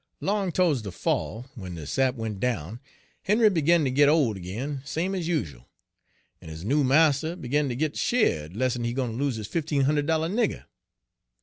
Long to'ds de fall, w'en de sap went down, Henry begin ter git ole akin same ez yuzhal, en his noo marster begin ter git sheered les'n he gwine ter lose his fifteen hunder' dollar nigger.